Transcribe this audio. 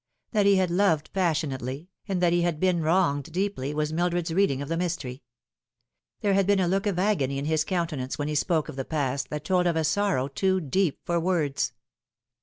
That he had loved passionately, and that he had been wronged deeply, was Mildred's reading of the mystery. There had been a look of agony in his countenance when he spoke of the past that told of a sorrow too deep for words.